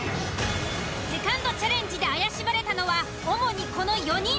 セカンドチャレンジで怪しまれたのは主にこの４人。